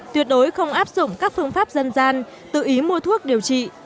tuyệt đối không áp dụng các phương pháp dân gian tự ý mua thuốc điều trị